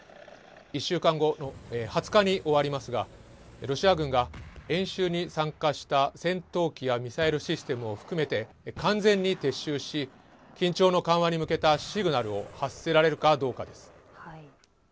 １週間後、２０日に終わりますがロシア軍が演習に参加した戦闘機やミサイルシステムを含めて完全に撤収し緊張の緩和に向けたシグナルを発せられるかどうかです。